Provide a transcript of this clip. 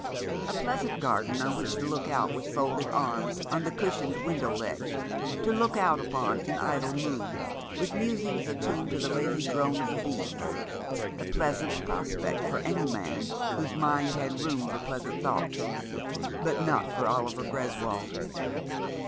A pleasant garden on which to look out with folded arms on the cushioned window ledge, to look out upon in idle mood, with musings attuned to the lazy drone of the bees — a pleasant pros pect for any man whose mind had room for pleasant thoughts, but not for Oliver Greswold.